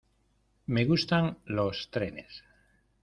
Me gustan los trenes.